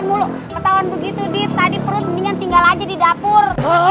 mulu ketauan begitu dik tadi perut mendingan tinggal aja di dapur